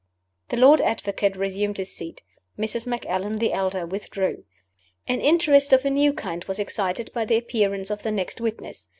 The Lord Advocate resumed his seat. Mrs. Macallan the elder withdrew. An interest of a new kind was excited by the appearance of the next witness.